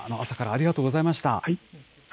朝からありがとうございました。